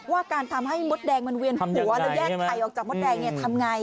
ว่าการทำให้มดแดงมันเวียนหัวแล้วแยกไข่ออกจากมดแดงเนี่ยทำไง